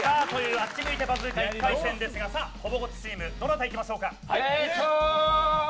あっちむいてバズーカ１回戦ですがほぼごっつチーム誰からいきますか。